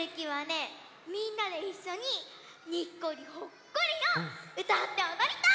みんなでいっしょに「にっこりほっこり」をうたっておどりたい！